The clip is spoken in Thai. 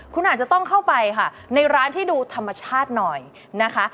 คุณอาจจะต้องเข้าไปค่ะในร้านที่ดูธรรมชาติหน่อยนะคะ